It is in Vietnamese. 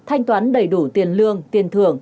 thanh toán đầy đủ tiền lương tiền thưởng